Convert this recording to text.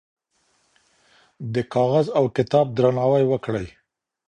د کاغذ او کتاب درناوی وکړئ.